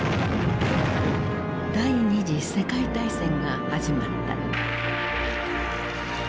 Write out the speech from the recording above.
第二次世界大戦が始まった。